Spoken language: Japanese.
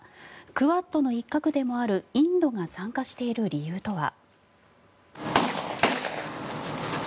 クアッドの一角でもあるインドが参加している理由とは。